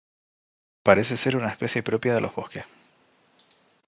Parece ser una especie propia de los bosques.